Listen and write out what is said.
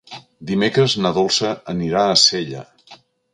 Dimecres na Dolça anirà a Sella.